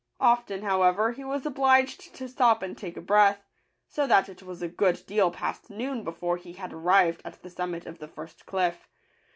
Often, however, he was obliged to stop and take breath; so that it was a good deal past noon before he had arrived at the summit of the first cliff.